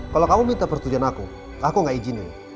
kalau kamu minta persetujuan aku aku gak izinin